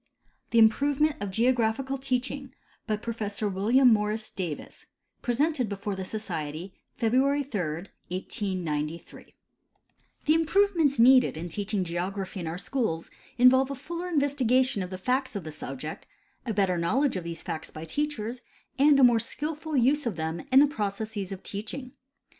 THE IMPROVEMENT OF GEOGRAPHICAL TEACHING BY PROFESSOR WILLIAM MORRIS DAVIS {Presented before (he Society February 3, 1893) The improvements needed in teaching geography in our schools involve a fuller investigation of the facts of the subject, a better knowledge of these facts by teachers, and a more skilful use of them in the processes of teaching.